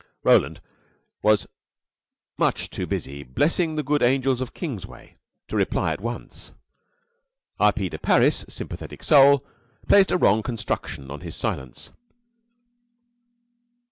Roland was much too busy blessing the good angels of Kingsway to reply at once. R. P. de Parys, sympathetic soul, placed a wrong construction on his silence.